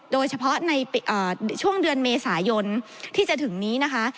โดยเฉพาะในช่วงเดือนเมษายนที่จะถึงนี้นะคะ